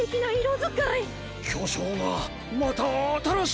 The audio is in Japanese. きょしょうがまたあたらしい